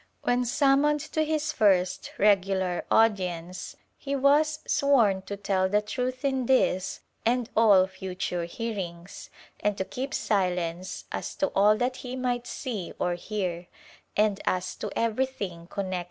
When sum moned to his first regular audience, he was sworn to tell the truth in this and all future hearings and to keep silence as to all that he might see or hear, and as to everything connected with his * Instrucciones de 1484